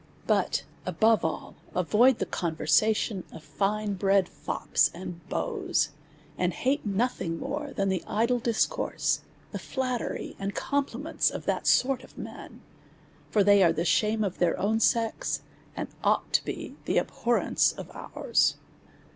But, above all, avoid the conversation of fine bred fops and beaux, and hate nothing mt)re than the idle discourse, the flattery and compliments of that sort of men ; for they are the shame of their own sex, and ought to be the abhorrence of yours.